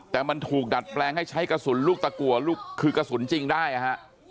แต่มันถูกดัดแปลงให้ใช้กระสุนลูกตะกัวคือกระสุนจริงได้นะฮะ